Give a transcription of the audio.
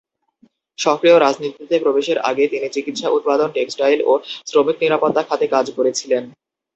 সক্রিয় রাজনীতিতে প্রবেশের আগে তিনি চিকিৎসা উৎপাদন, টেক্সটাইল ও শ্রমিক নিরাপত্তা খাতে কাজ করেছিলেন।